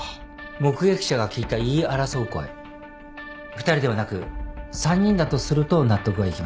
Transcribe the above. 目撃者が聞いた言い争う声２人ではなく３人だとすると納得がいきます。